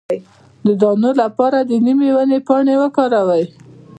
د دانو لپاره د نیم د ونې پاڼې وکاروئ